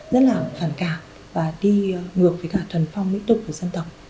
rất là phản cảm và đi ngược với cả thuần phong mỹ tục của dân tộc